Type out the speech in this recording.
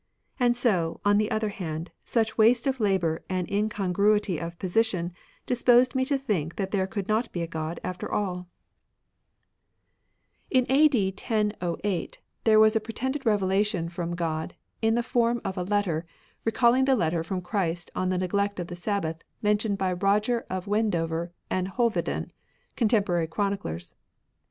And so, on the other hand, such waste of labour and incongruity of position disposed me to think that there could not be a God after aU.» 60 MATERIALISM In A.D. 1008 there was a pretended rrom'ood. revelation from God in the form of a letter, recalling the letter from Christ on the neglect of the Sabbath men tioned by Roger of Wendover and Hove den, contemporary chroniclers.